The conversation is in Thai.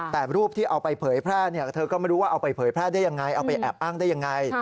แต่รูปที่เอาไปเผยแพร่เธอก็ไม่รู้ว่าเอาไปเผยแพร่ได้ยังไงเอาไปแอบอ้างได้ยังไง